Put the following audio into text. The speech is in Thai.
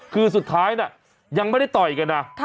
คือสุดท้ายน่ะยังไม่ได้ต่อยกันนะ